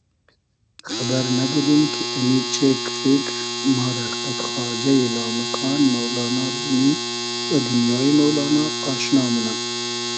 خئبئر نئبودوم کی امی چېگ فیکر ما رۂ قئد خواجۂ یی لامکان مۆلانا رومیؒ و دونیایی مۆلانا آشنا مونۂ